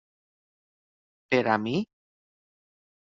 Per a mi?